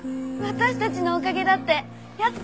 私たちのおかげだって。